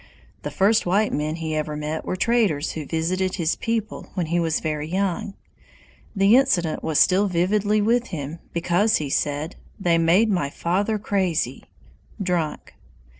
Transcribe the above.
The first white men he ever met were traders who visited his people when he was very young. The incident was still vividly with him, because, he said, "They made my father crazy," [drunk].